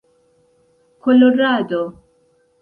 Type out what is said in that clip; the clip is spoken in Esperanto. kolorado